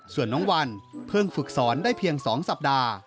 ส่วนน้องวันเพิ่งฝึกสอนได้เพียง๒สัปดาห์